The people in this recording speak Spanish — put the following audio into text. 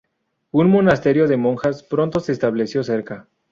Un monasterio de monjas Pronto se estableció cerca.